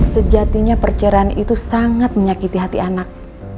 sejatinya perceraian itu sangat menyakiti hati anak